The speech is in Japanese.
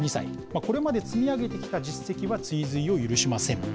これまで積み上げてきた実績は追随を許しません。